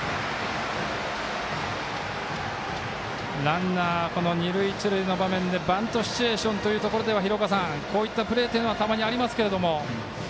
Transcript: ランナー、二塁一塁の場面でバントシチュエーションというところではこういったプレーはたまにありますけど。